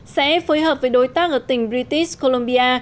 sẽ phối hợp với đối tác ở tỉnh british columbia